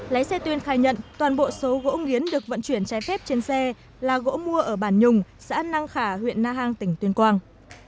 lái xe tuyên khai nhận toàn bộ số gỗ nghiến được vận chuyển trái phép trên xe là gỗ mua ở bản nhùng xã năng khả huyện na hàng tỉnh tuyên quang